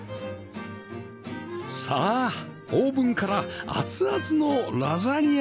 さあオーブンから熱々のラザニアが登場です